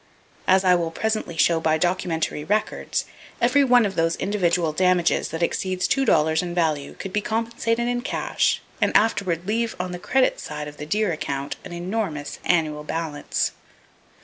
As I will presently show by documentary records, every one of those individual damages that exceeds two dollars in value could be compensated in cash, and afterward leave on the credit side of the deer account an enormous annual balance.